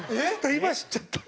今知っちゃったんです。